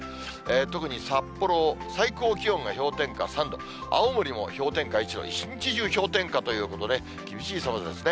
特に札幌、最高気温が氷点下３度、青森も氷点下１度、一日中氷点下ということで、厳しい寒さですね。